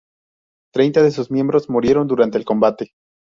Treinta de sus miembros murieron durante el combate.